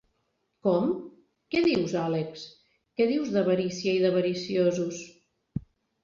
Com? Què dius, Àlex? Què dius d'avarícia i d'avariciosos?